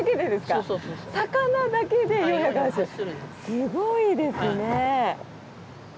すごいですね。